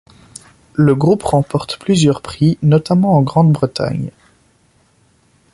Le groupe remporte plusieurs prix, notamment en Grande-Bretagne.